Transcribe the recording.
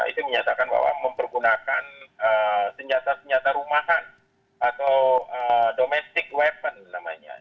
itu menyatakan bahwa mempergunakan senjata senjata rumahan atau domestic weapon namanya